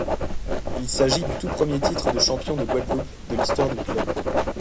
Il s’agit du tout premier titre de champion de Guadeloupe de l'histoire du club.